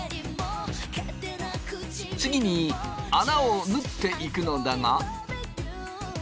次に穴を縫っていくのだが。